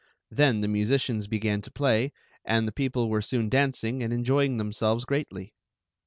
Then the musicians began to play, and the people were soon dancing and enjoying themselves greatly.